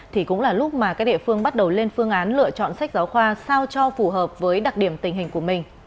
thì cũng là lúc mà các địa phương bắt đầu lên phương án lựa chọn sách giáo khoa sao cho phù hợp với đặc điểm tình hình của mình